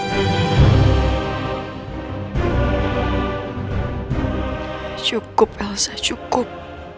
hai cukup elsa cukup